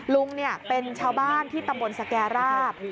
ลุงเป็นชาวบ้านที่ตำบลสแก่ราบ